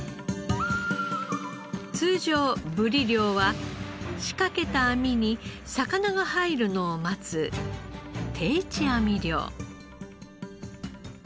通常ブリ漁は仕掛けた網に魚が入るのを待つ定置網漁。